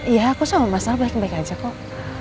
iya aku sama mas al baik baik aja kok